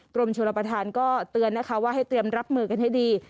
กรมชนประธานก็เตือนนะคะว่าให้เตรียมรับมือกันให้ดี